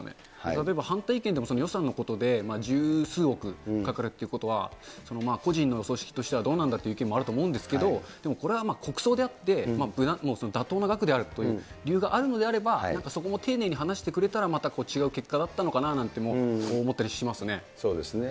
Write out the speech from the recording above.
例えば反対意見でも予算のことで、十数億かかるということは、個人の葬式としてはどうなんだという意見もあると思うんですけど、でもこれは国葬であって、妥当な額であるという理由があるのであれば、やっぱそこも丁寧に話してくれたら、また違う結果だったのかなと思ったりしますね。